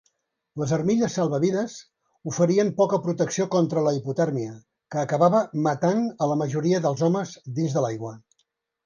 Les armilles salvavides oferien poca protecció contra la hipotèrmia, que acabava matant a la majoria dels homes dins de l'aigua.